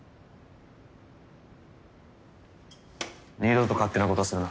二度と勝手な事するな。